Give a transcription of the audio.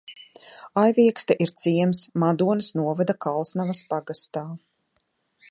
Aiviekste ir ciems Madonas novada Kalsnavas pagastā.